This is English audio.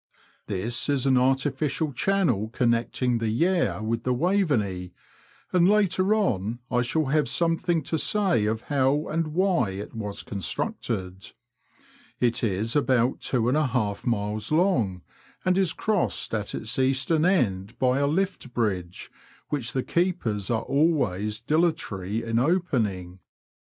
This is an artificial channel connecting the Yare with the Waveney, and later on I shall have something to say of how and why it was constructed. It is about two miles and a half long, and is crossed at its eastern end by a lift bridge, which the keepers are always dilatory in opening.